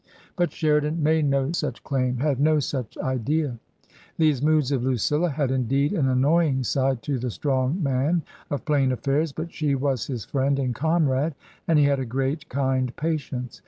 But Sheridan made no such claim, had no such idea. These moods of Lucilla had indeed an annoying side to the strong man of plain affairs, but she was his friend and comrade, and he had a great, kind patience.